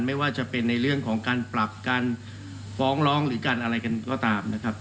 ไม่ว่าจะเป็นในเรื่องของการปรับการฟ้องร้องหรือการอะไรกันก็ตามนะครับ